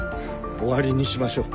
終わりにしましょう。